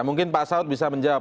mungkin pak saud bisa menjawab